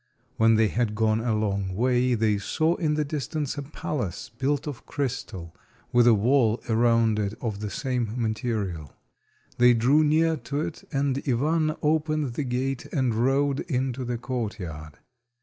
When they had gone a long way they saw in the distance a palace built of crystal, with a wall around it of the same material. They drew near to it, and Ivan opened the gate and rode into the courtyard.